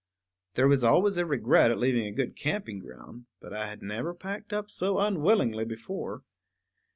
There is always a regret at leaving a good camping ground, but I had never packed up so unwillingly before.